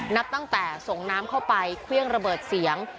นับตั้งแต่ส่งน้ำเข้าไปเครื่องระเบิดเสียง